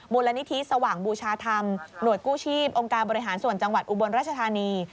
มูลนิธิสว่างบูชาธรรมหน่วยกู้ชีพองค์การบริหารส่วนจังหวัดอุบลราชธานี